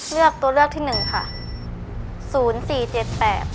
เลือกตัวเลือกที่หนึ่งค่ะศูนย์สี่เจ็ดแปด